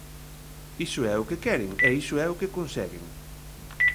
Iso é o que queren, e iso é o que conseguen.